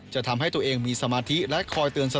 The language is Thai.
จะทำให้ตัวเองมีสมาธิและคอยเตือนส